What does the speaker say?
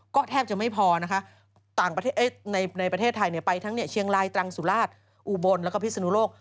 ก็แทบจะไม่พอนะคะในประเทศไทยเนี่ยไปทั้งเชียงลายตรังสุราชอูบลแล้วก็พิษนุโลก